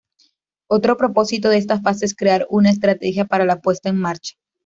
Otro propósito de esta fase es crear una estrategia para la Puesta en Marcha.